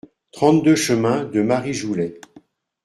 trente-deux chemin de Marijoulet